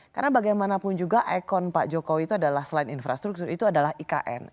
karena bagaimanapun juga ekon pak jokowi itu adalah selain infrastruktur itu adalah ikn